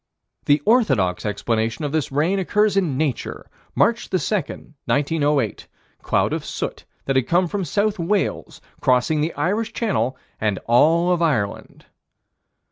The orthodox explanation of this rain occurs in Nature, March 2, 1908 cloud of soot that had come from South Wales, crossing the Irish Channel and all of Ireland.